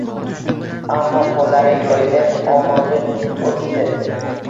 Ammo qo`llari yoyilib ovozi o`chdi